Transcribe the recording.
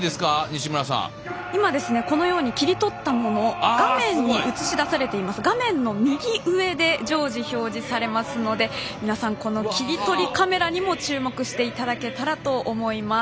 今、このように切り取ったものが画面の右上で常時表示されますので皆さん、切り取りカメラにも注目していただけたらと思います。